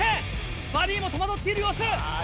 バディも戸惑っている様子。